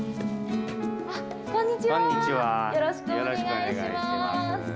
よろしくお願いします。